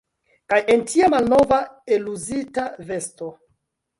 Kaj en tia malnova, eluzita vesto!